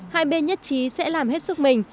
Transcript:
hai bên nhất trí sẽ làm hết sức mình